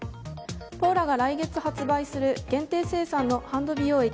ポーラが来月発売する限定生産のハンド美容液。